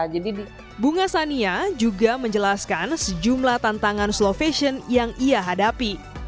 dan bunga sania juga menjelaskan sejumlah tantangan slow fashion yang ia hadapi